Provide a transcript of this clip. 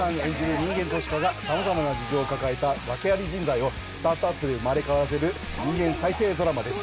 人間投資家が様々な事情を抱えた訳あり人材をスタートアップで生まれ変わらせる人間再生ドラマです。